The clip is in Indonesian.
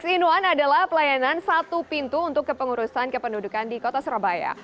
tiga in satu adalah pelayanan satu pintu untuk kepengurusan kependudukan di kota surabaya